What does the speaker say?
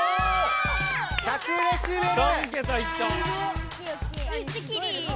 １０８デシベル！